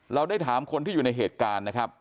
เราได้ถามคนที่อยู่ในเหตุการณ์นะครับ